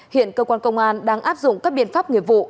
hiện cơ quan công an đang áp dụng các biện pháp nghiệp vụ